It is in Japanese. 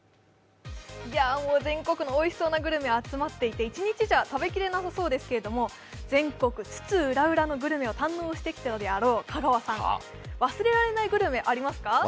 全国のおいしそうなグルメ集まっていて一日じゃ食べ切れなさそうですけれども、全国津々浦々のグルメを堪能してきたであろう香川さん、忘れられないグルメありますか？